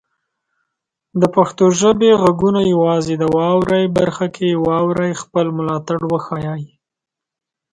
د پښتو ژبې غږونه یوازې د "واورئ" برخه کې واورئ، خپل ملاتړ وښایئ.